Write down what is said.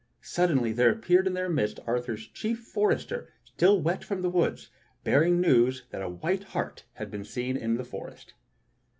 Sud denly there appeared in their midst Arthur's chief forester, still wet from the woods, bearing the news that a white hart had been seen in the forest.